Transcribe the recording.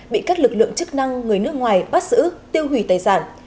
bị các lực lượng chức năng người nước ngoài bắt giữ tiêu hủy tài sản